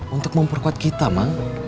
untuk memperkuat kita ma